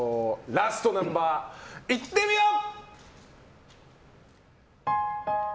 ラストナンバー、いってみよう！